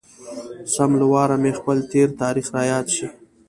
سم له واره مې خپل تېر تاريخ را یاد شي.